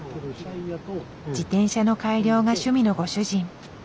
自転車の改良が趣味のご主人。